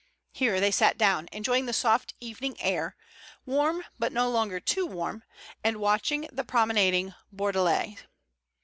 Here they sat down, enjoying the soft evening air, warm but no longer too warm, and watching the promenading Bordelais.